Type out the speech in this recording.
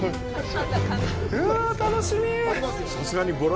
うわぁ、楽しみ。